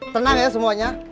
tenang ya semuanya